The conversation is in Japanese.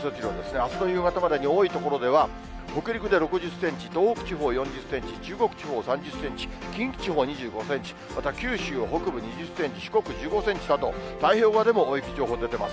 あすの夕方までに多い所では、北陸で６０センチ、東北地方４０センチ、中国地方３０センチ、近畿地方２５センチ、また九州北部２０センチ、四国１５センチなど、太平洋側でも大雪情報出てます。